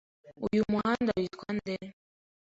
Uyu muhanda witwa nde?